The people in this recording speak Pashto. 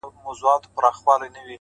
ماته د مار خبري ډيري ښې دي-